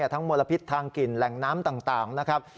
มลพิษทางกลิ่นแหล่งน้ำต่างนะครับ